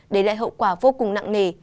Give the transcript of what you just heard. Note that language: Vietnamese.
để lại hậu quả vô cùng nặng nề